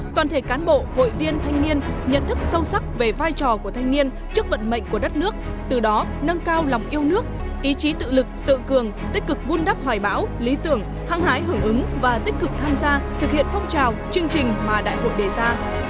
toàn thể cán bộ hội viên thanh niên nhận thức sâu sắc về vai trò của thanh niên trước vận mệnh của đất nước từ đó nâng cao lòng yêu nước ý chí tự lực tự cường tích cực vun đắp hoài bão lý tưởng hăng hái hưởng ứng và tích cực tham gia thực hiện phong trào chương trình mà đại hội đề ra